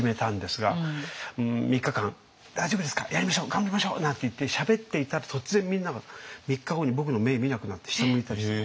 頑張りましょう！」なんて言ってしゃべっていたら突然みんなが３日後に僕の目見なくなって下向いたりして。